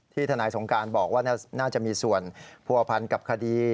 ทนายสงการบอกว่าน่าจะมีส่วนผัวพันกับคดี